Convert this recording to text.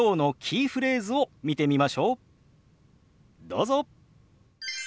どうぞ。